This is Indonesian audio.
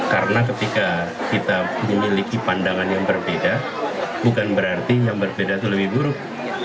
karena ketika kita memiliki pandangan yang berbeda bukan berarti yang berbeda itu lebih buruk